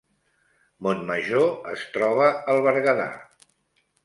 Montmajor es troba al Berguedà